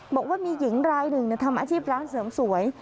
บอกว่ามีหญิงรายหนึ่งทำอาชีพร้านเสริมสวย